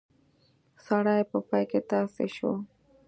سړی په پای کې تاسی شو.